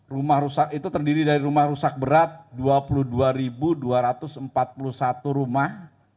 rumah rusak itu terdiri dari rumah rusak berat dua puluh dua dua ratus empat puluh satu rumah